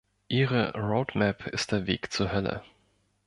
Ihre Road-Map ist der Weg zur Hölle.